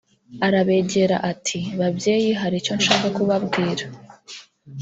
arabegera ati "Babyeyi hari icyo nshaka kubabwira